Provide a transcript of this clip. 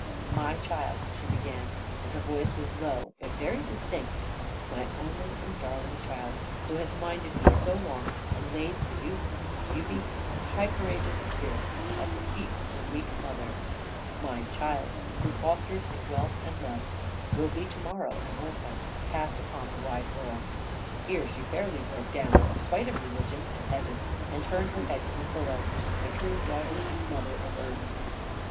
"My child," she began, and her voice was low, but very distinct, "my only and darling child, who has minded me so long, and laid her youth, and beauty, and high courageous spirit, at the feet of her weak mother; my child, who fostered in wealth and love, will be to morrow an orphan, cast upon the wide world" here she fairly broke down, in spite of religion, and heaven, and turned her head to the pillow, a true daughter and mother of earth.